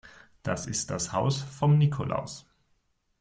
Das ist das Haus vom Nikolaus.